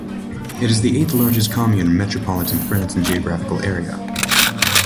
It is the eighth-largest commune in metropolitan France in geographical area.